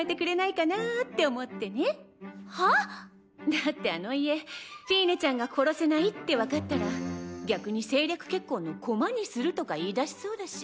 だってあの家フィーネちゃんが殺せないって分かったら逆に政略結婚の駒にするとか言いだしそうだし。